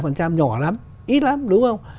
nhỏ lắm ít lắm đúng không